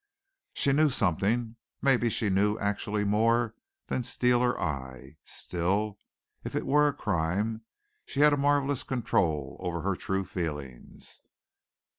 She knew something; maybe she knew actually more than Steele or I; still, if it were a crime, she had a marvelous control over her true feelings.